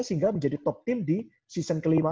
sehingga menjadi top team di season kelima